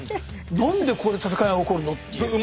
何でここで戦いが起こるの？っていう。